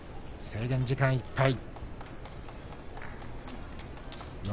制限時間いっぱい。